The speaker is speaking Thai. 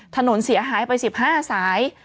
ถนนเสียหายไป๑๕สาย